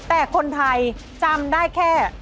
แต่คนไทยจำได้แค่